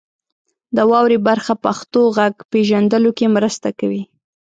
د واورئ برخه پښتو غږ پیژندلو کې مرسته کوي.